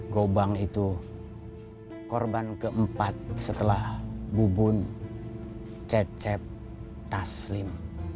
gobang itu korban keempat setelah bubun cecep taslim